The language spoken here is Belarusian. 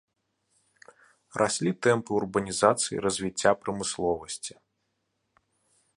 Раслі тэмпы урбанізацыі і развіцця прамысловасці.